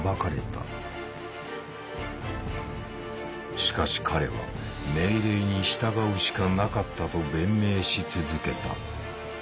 しかし彼は「命令に従うしかなかった」と弁明し続けた。